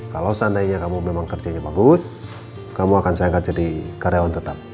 kalau seandainya kamu memang kerjanya bagus kamu akan saya angkat jadi karyawan tetap